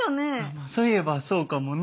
まあそういえばそうかもね。